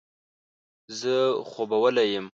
زه خوبولی یم.